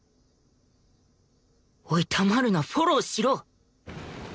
おい黙るなフォローしろ！